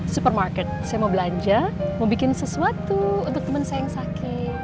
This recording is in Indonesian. supermarket saya mau belanja mau bikin sesuatu untuk temen sayang sakit